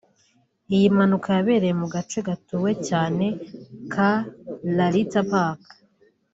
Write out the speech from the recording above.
Iyi mpanuka yabereye mu gace gatuwe cyane ka Lalita Park